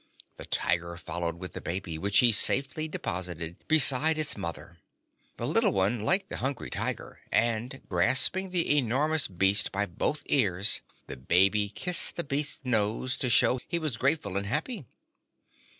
The Tiger followed with the baby, which he safely deposited beside its mother. The little one liked the Hungry Tiger and grasping the enormous beast by both ears the baby kissed the beast's nose to show he was grateful and happy.